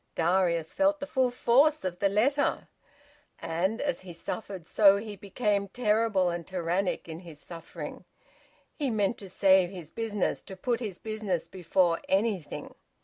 Darius felt the full force of the letter; and as he suffered, so he became terrible and tyrannic in his suffering. He meant to save his business, to put his business before anything.